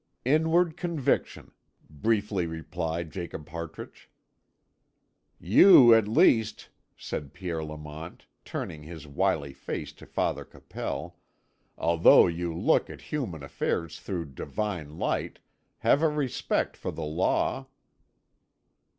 "Inward conviction," briefly replied Jacob Hartrich. "You, at least," said Pierre Lamont, turning his wily face to Father Capel, "although you look at human affairs through Divine light, have a respect for the law."